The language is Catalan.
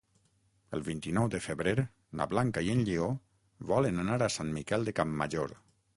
El vint-i-nou de febrer na Blanca i en Lleó volen anar a Sant Miquel de Campmajor.